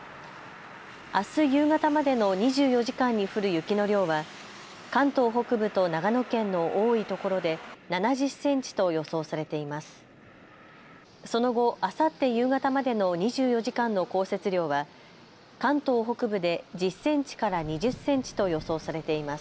あす夕方までの２４時間に降る雪の量は関東北部と長野県の多いところで７０センチと予想されています。